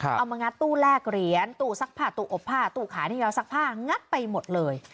เอามางัดตู้แลกเหรียญตู้ซักผ้าตู้อบผ้าตู้ขายที่เราซักผ้างัดไปหมดเลย